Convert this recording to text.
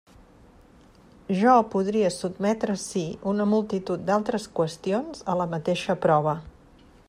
Jo podria sotmetre ací una multitud d'altres qüestions a la mateixa prova.